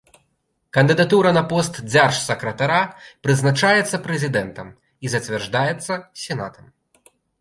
Кандыдатура на пост дзяржсакратара прызначаецца прэзідэнтам і зацвярджаецца сенатам.